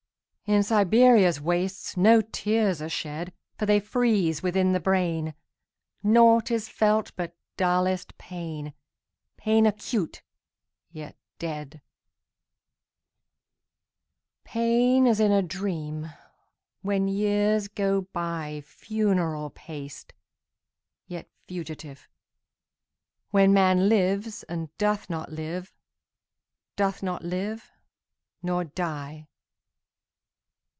In Siberia's wastesNo tears are shed, For they freeze within the brain. Naught is felt but dullest pain, Pain acute, yet dead; Pain as in a dream, When years go byFuneral paced, yet fugitive, When man lives, and doth not live, Doth not live—nor die.